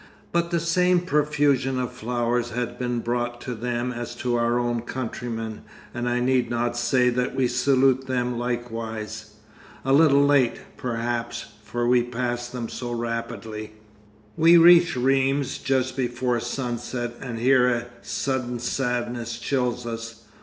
But the same profusion of flowers has been brought to them as to our own countrymen, and I need not say that we salute them likewise a little late, perhaps, for we pass them so rapidly. We reach Rheims just before sunset, and here a sudden sadness chills us.